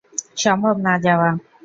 সম্ভব না যাওয়া!